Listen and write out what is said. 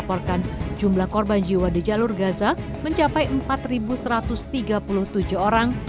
melaporkan jumlah korban jiwa di jalur gaza mencapai empat satu ratus tiga puluh tujuh orang